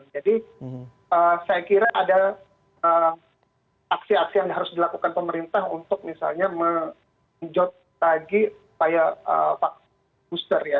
jadi saya kira ada aksi aksi yang harus dilakukan pemerintah untuk misalnya menjot lagi kayak booster ya